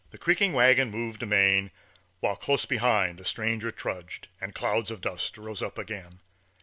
The creaking wagon moved amain, While close behind the stranger trudged, And clouds of dust rose up again.